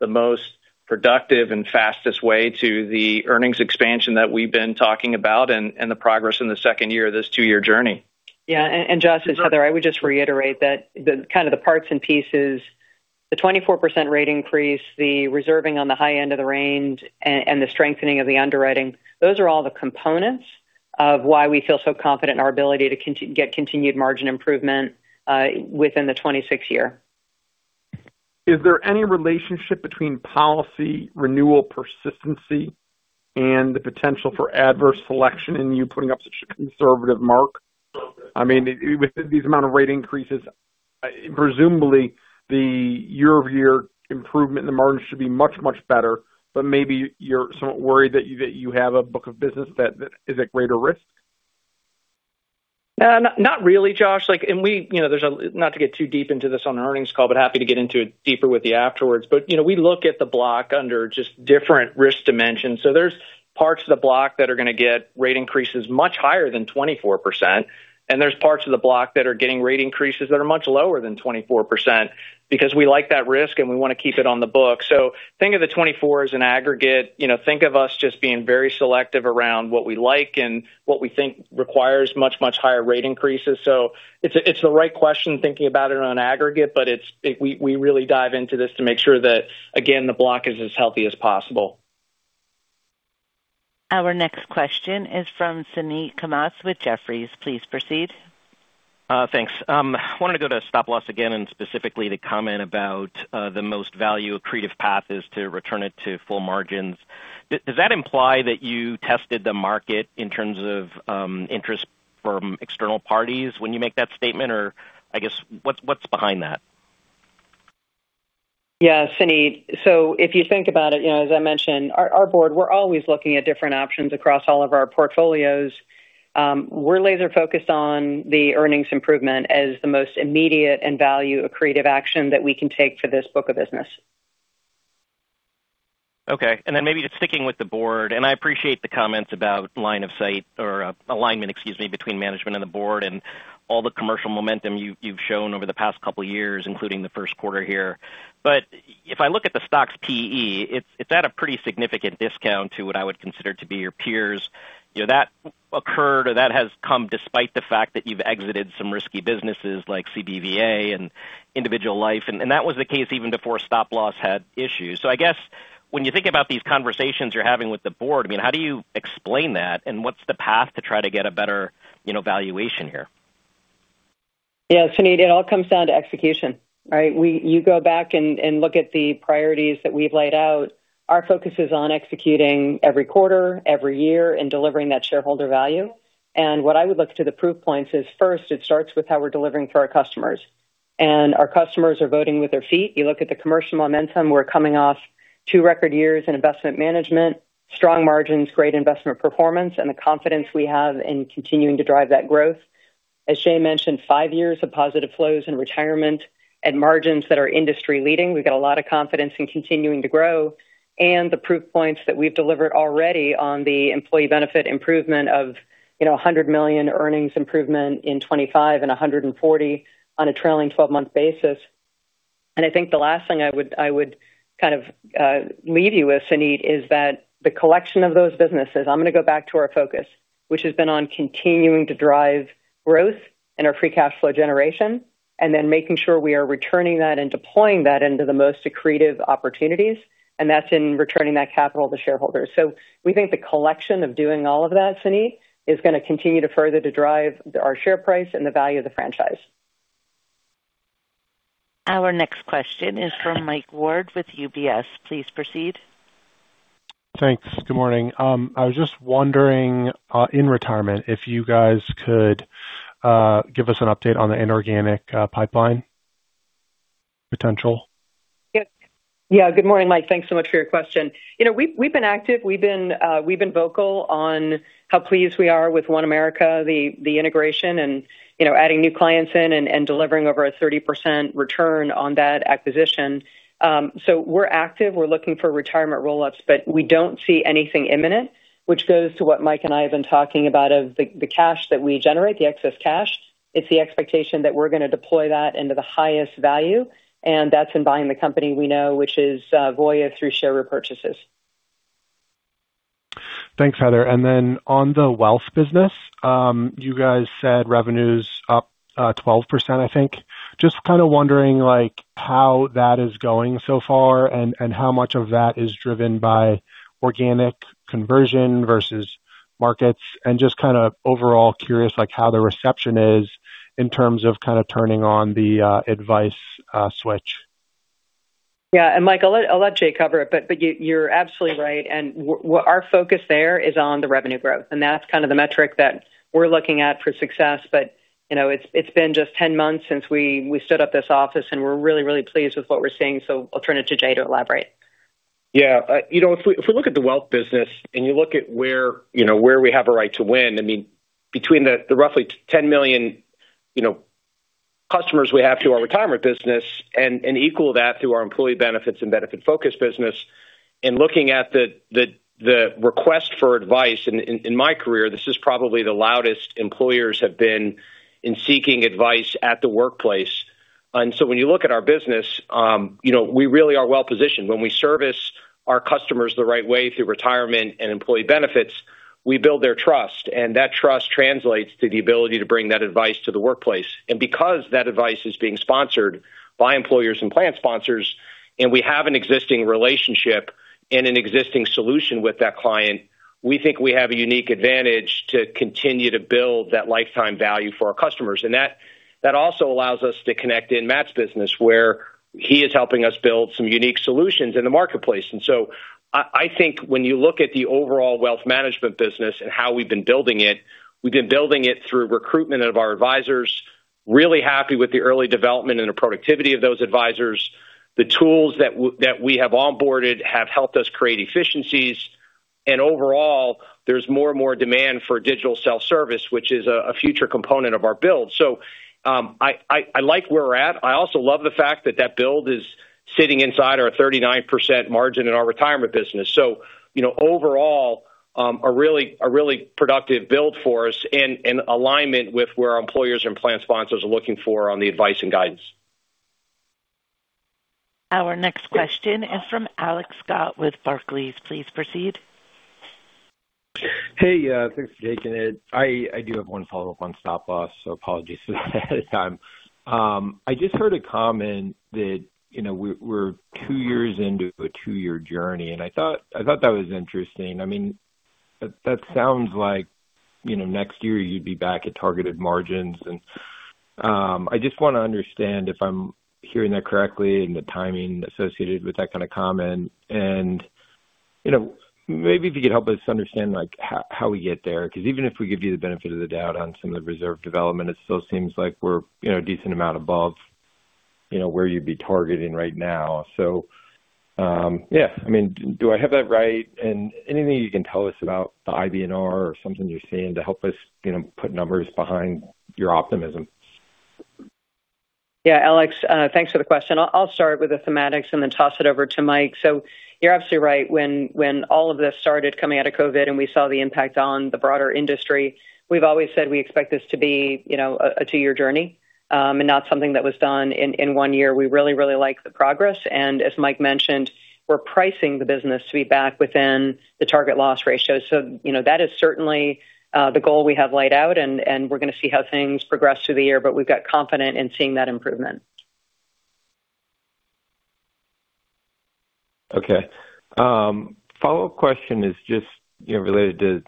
the most productive and fastest way to the earnings expansion that we've been talking about and the progress in the second year of this two-year journey. Josh it's Heather, I would just reiterate that the kind of the parts and pieces, the 24% rate increase, the reserving on the high end of the range, and the strengthening of the underwriting, those are all the components of why we feel so confident in our ability to get continued margin improvement within the 2026 year. Is there any relationship between policy renewal persistency and the potential for adverse selection in you putting up such a conservative mark? I mean, with these amount of rate increases, presumably the year-over-year improvement in the margin should be much, much better, but maybe you're sort of worried that you have a book of business that is at greater risk. Not really, Josh. You know, there's not to get too deep into this on the earnings call, but happy to get into it deeper with you afterwards. You know, we look at the block under just different risk dimensions. Parts of the block that are going to get rate increases much higher than 24%, and there's parts of the block that are getting rate increases that are much lower than 24% because we like that risk, and we want to keep it on the book. Think of the 24% as an aggregate. You know, think of us just being very selective around what we like and what we think requires much, much higher rate increases. It's the right question, thinking about it on aggregate, but it's, we really dive into this to make sure that, again, the block is as healthy as possible. Our next question is from Suneet Kamath with Jefferies. Please proceed. Thanks. I wanted to go to Stop Loss again, specifically the comment about the most value accretive path is to return it to full margins. Does that imply that you tested the market in terms of interest from external parties when you make that statement? I guess what's behind that? Yeah, Suneet. If you think about it, you know, as I mentioned, our Board, we're always looking at different options across all of our portfolios. We're laser-focused on the earnings improvement as the most immediate and value accretive action that we can take for this book of business. Okay. Then maybe just sticking with the board, I appreciate the comments about line of sight or alignment, excuse me, between management and the board and all the commercial momentum you've shown over the past couple years, including the first quarter here. If I look at the stock's PE, it's at a pretty significant discount to what I would consider to be your peers. You know, that occurred or that has come despite the fact that you've exited some risky businesses like CBVA and individual life, and that was the case even before Stop Loss had issues. I guess when you think about these conversations you're having with the board, I mean, how do you explain that, and what's the path to try to get a better, you know, valuation here? Yeah, Suneet, it all comes down to execution, right? You go back and look at the priorities that we've laid out. Our focus is on executing every quarter, every year, and delivering that shareholder value. What I would look to the proof points is, first, it starts with how we're delivering for our customers. Our customers are voting with their feet. You look at the commercial momentum, we're coming off 2 record years in Investment Management, strong margins, great investment performance, and the confidence we have in continuing to drive that growth. As Jay mentioned, 5 years of positive flows in Retirement and margins that are industry-leading. We've got a lot of confidence in continuing to grow. The proof points that we've delivered already on the employee benefit improvement of, you know, $100 million earnings improvement in 2025 and $140 million on a trailing 12-month basis. I think the last thing I would kind of leave you with, Suneet, is that the collection of those businesses, I'm gonna go back to our focus, which has been on continuing to drive growth in our free cash flow generation and then making sure we are returning that and deploying that into the most accretive opportunities, and that's in returning that capital to shareholders. We think the collection of doing all of that, Suneet, is gonna continue to further to drive our share price and the value of the franchise. Our next question is from Mike Ward with UBS. Please proceed. Thanks. Good morning. I was just wondering, in Retirement, if you guys could give us an update on the inorganic pipeline potential. Yes. Yeah. Good morning, Mike. Thanks so much for your question. You know, we've been active. We've been vocal on how pleased we are with OneAmerica, the integration and, you know, adding new clients in and, delivering over a 30% return on that acquisition. We're active. We're looking for Retirement roll-ups, but we don't see anything imminent, which goes to what Mike and I have been talking about of the cash that we generate, the excess cash. It's the expectation that we're gonna deploy that into the highest value, and that's in buying the company we know, which is Voya, through share repurchases. Thanks, Heather. On the wealth business, you guys said revenues up, 12%, I think. Just kind of wondering, like, how that is going so far and how much of that is driven by organic conversion versus markets, and just kind of overall curious, like, how the reception is in terms of kind of turning on the advice switch. Yeah. Mike, I'll let Jay cover it, but you're absolutely right. Our focus there is on the revenue growth, that's kind of the metric that we're looking at for success. You know, it's been just 10 months since we stood up this office, we're really pleased with what we're seeing. I'll turn it to Jay to elaborate. You know, if we, if we look at the Wealth Management and you look at where, you know, where we have a right to win, I mean between the roughly 10 million, you know, customers we have to our Retirement and equal that to our Employee Benefits and Benefitfocus, and looking at the, the request for advice, in, in my career, this is probably the loudest employers have been in seeking advice at the workplace. When you look at our business, you know, we really are well-positioned. When we service our customers the right way through Retirement and Employee Benefits, we build their trust, and that trust translates to the ability to bring that advice to the workplace. Because that advice is being sponsored by employers and plan sponsors, and we have an existing relationship and an existing solution with that client, we think we have a unique advantage to continue to build that lifetime value for our customers. That also allows us to connect in Matt's business, where he is helping us build some unique solutions in the marketplace. I think when you look at the overall Wealth Management business and how we've been building it, we've been building it through recruitment of our advisors. Really happy with the early development and the productivity of those advisors. The tools that we have onboarded have helped us create efficiencies. Overall, there's more and more demand for digital self-service, which is a future component of our build. I like where we're at. I also love the fact that that build. Sitting inside our 39% margin in our Retirement business. You know, overall, a really productive build for us and alignment with where our employers and plan sponsors are looking for on the advice and guidance. Our next question is from Alex Scott with Barclays. Please proceed. Hey, thanks for taking it. I do have one follow-up on Stop Loss, so apologies for that ahead of time. I just heard a comment that, you know, we're 2 years into a 2-year journey, and I thought that was interesting. I mean, that sounds like, you know, next year you'd be back at targeted margins, and I just wanna understand if I'm hearing that correctly and the timing associated with that kind of comment. You know, maybe if you could help us understand like how we get there. 'Cause even if we give you the benefit of the doubt on some of the reserve development, it still seems like we're, you know, a decent amount above, you know, where you'd be targeting right now. Yeah, I mean, do I have that right? Anything you can tell us about the IBNR or something you're seeing to help us, you know, put numbers behind your optimism. Yeah. Alex, thanks for the question. I'll start with the thematics and then toss it over to Mike. You're absolutely right. When all of this started coming out of COVID and we saw the impact on the broader industry, we've always said we expect this to be, you know, a 2-year journey and not something that was done in 1 year. We really like the progress. As Mike mentioned, we're pricing the business to be back within the target loss ratio. You know, that is certainly the goal we have laid out, and we're gonna see how things progress through the year, but we've got confident in seeing that improvement. Okay. Follow-up question is just, you know, related to,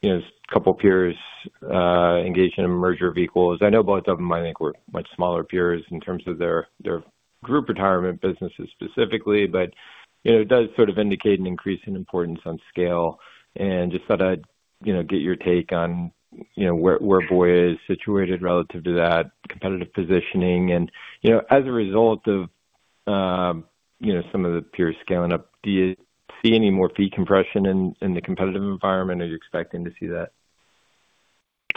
you know, two peers engaged in a merger of equals. I know both of them I think were much smaller peers in terms of their group retirement businesses specifically. You know, it does sort of indicate an increase in importance on scale. Just thought I'd, you know, get your take on, you know, where Voya is situated relative to that competitive positioning. You know, as a result of, you know, some of the peers scaling up, do you see any more fee compression in the competitive environment? Are you expecting to see that?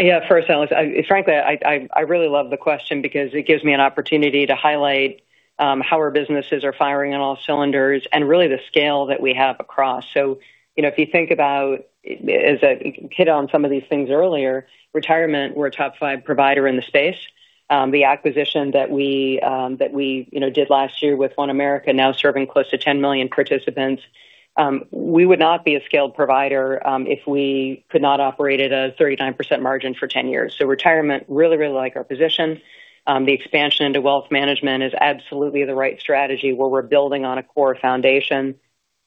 Yeah. First, Alex, frankly, I really love the question because it gives me an opportunity to highlight how our businesses are firing on all cylinders and really the scale that we have across. You know, if you think about, as I hit on some of these things earlier, Retirement, we're a top 5 provider in the space. The acquisition that we, you know, did last year with OneAmerica now serving close to 10 million participants. We would not be a scaled provider if we could not operate at a 39% margin for 10 years. Retirement really like our position. The expansion into Wealth Management is absolutely the right strategy where we're building on a core foundation.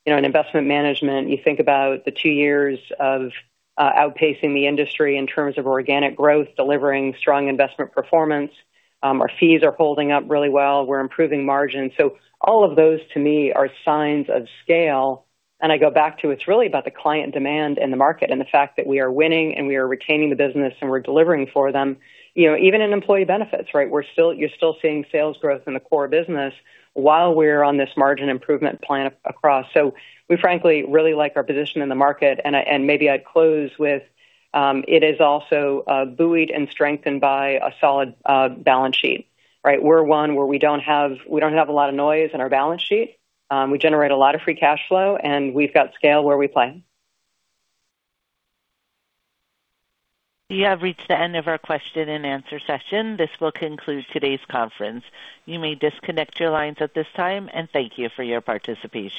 You know, in Investment Management, you think about the 2 years of outpacing the industry in terms of organic growth, delivering strong investment performance. Our fees are holding up really well. We're improving margins. All of those to me are signs of scale. I go back to it's really about the client demand and the market and the fact that we are winning and we are retaining the business and we're delivering for them. You know, even in Employee Benefits, right? You're still seeing sales growth in the core business while we're on this margin improvement plan across. We frankly really like our position in the market. Maybe I'd close with, it is also buoyed and strengthened by a solid balance sheet, right? We're one where we don't have a lot of noise in our balance sheet. We generate a lot of free cash flow, and we've got scale where we play. You have reached the end of our question-and-answer session. This will conclude today's conference. You may disconnect your lines at this time. Thank you for your participation.